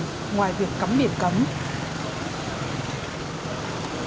ngoài việc cấm biển cấm